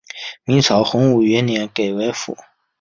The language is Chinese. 明朝洪武元年改为府。